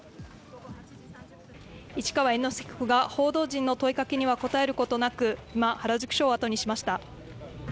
市川猿之助被告が報道陣の問いかけには答えることなく、今、原宿署をあとにしました。